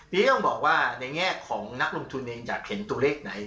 นี่ต้องบอกว่าในแง่ของนักลงทุนเองอยากเห็นตัวเลขไหน